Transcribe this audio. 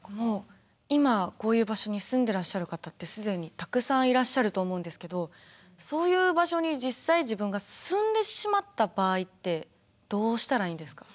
今こういう場所に住んでらっしゃる方って既にたくさんいらっしゃると思うんですけどそういう場所に実際自分が住んでしまった場合ってどうしたらいいんですか？